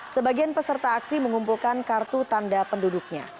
sebagian peserta aksi mengumpulkan kartu tanda penduduknya